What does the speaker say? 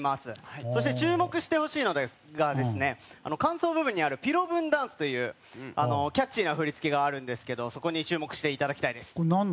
そして注目してほしいのが間奏部分にあるピロブンダンスというキャッチーな振り付けがあるんですけど、そこに注目していただきたいです。